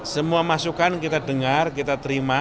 semua masukan kita dengar kita terima